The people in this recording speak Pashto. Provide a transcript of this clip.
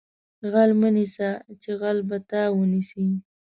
غل مه نیسه چې غل به تا ونیسي